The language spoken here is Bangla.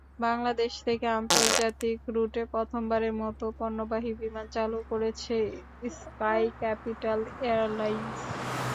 বাংলাদেশ থেকে আন্তর্জাতিক রুটে প্রথমবারের মতো পণ্যবাহী বিমান চালু করেছে স্কাই ক্যাপিটাল এয়ারলাইনস।